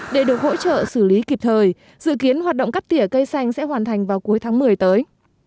để được hỗ trợ xử lý kịp thời dự kiến hoạt động cắt tỉa cây xanh sẽ hoàn thành vào cuối tháng một mươi tới